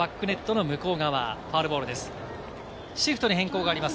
バックネットの向こう側、ファウルボールです。